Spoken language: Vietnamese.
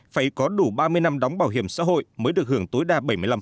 phải có đủ ba mươi năm đóng bảo hiểm xã hội mới được hưởng tối đa bảy mươi năm